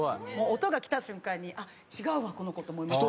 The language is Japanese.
音が来た瞬間に違うわこの子と思いました。